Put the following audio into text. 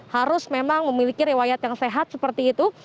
harus memang memiliki riwayat yang sehat seperti itu